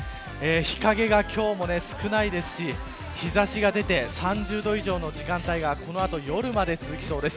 日陰が今日も少ないですし日差しが出て、３０度以上の時間帯が、この後夜まで続きそうです。